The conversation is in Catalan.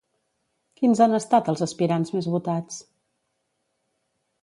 Quins han estat els aspirants més votats?